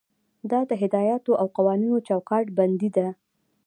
دا د هدایاتو او قوانینو چوکاټ بندي ده.